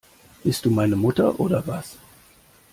Bist du meine Mutter oder was?